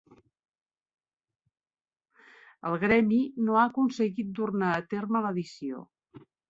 El gremi no ha aconseguit dur-ne a terme l'edició.